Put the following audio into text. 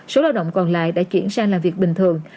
số lao động còn lại đã chuyển sang làm việc bình thường